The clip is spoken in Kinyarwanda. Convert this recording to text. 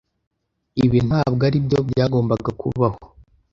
Ibi ntabwo aribyo byagombaga kubaho.